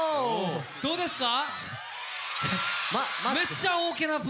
どうですか？